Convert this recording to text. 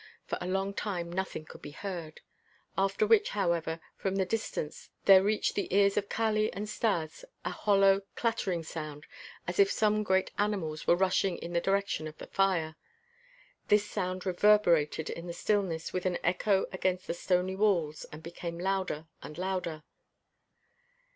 For a long time nothing could be heard, after which, however, from the distance there reached the ears of Kali and Stas a hollow, clattering sound as if some great animals were rushing in the direction of the fire. This sound reverberated in the stillness with an echo against the stony walls, and became louder and louder.